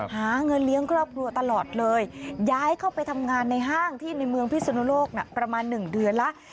หาเงินเลี้ยงครอบครัวตลอดเลยย้ายเข้าไปทำงานในห้างที่ในเมืองพิศนุโลกประมาณ๑เดือนแล้ว